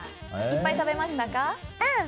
いっぱい食べましたか？